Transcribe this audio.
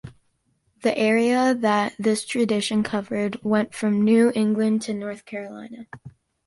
The area that this tradition covered went from New England to North Carolina.